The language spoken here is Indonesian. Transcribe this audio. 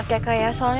gue minum dulu ya